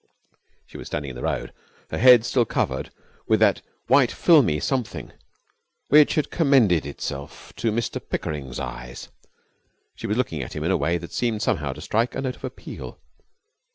She was standing in the road, her head still covered with that white, filmy something which had commended itself to Mr Pickering's eyes. She was looking at him in a way that seemed somehow to strike a note of appeal.